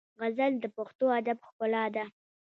غزل د پښتو ادب ښکلا ده.